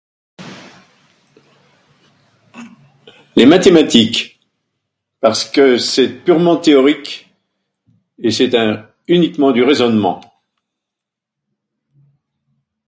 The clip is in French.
Les mathématiques, parce que c'est purement théorique et c'est un, uniquement du raisonnement.